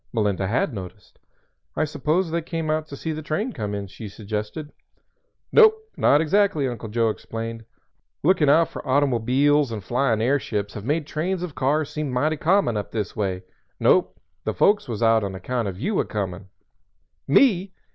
Melinda had noticed. "I suppose they came out to see the train come in," she suggested. "Nope; not exactly." Uncle Joe explained, "Looking out for automo_biles_ and flying airships have made trains of cars seem mighty common up this way. Nope; the folks was out on account of you a comin'." "Me?"